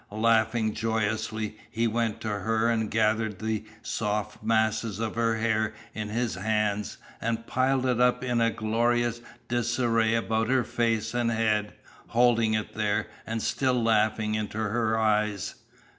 Laughing joyously, he went to her and gathered the soft masses of her hair in his hands, and piled it up in a glorious disarray about her face and head, holding it there, and still laughing into her eyes.